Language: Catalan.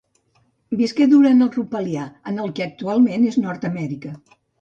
Visqué durant el Rupelià en el que actualment és Nord-amèrica.